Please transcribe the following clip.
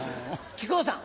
木久扇さん